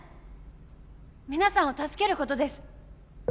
皆さんを助けることです。